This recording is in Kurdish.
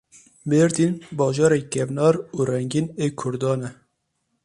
Mêrdîn bajarê kevnar û rengîn ê Kurdan e.